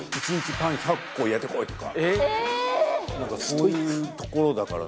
そういうところだから。